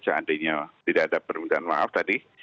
seandainya tidak ada permintaan maaf tadi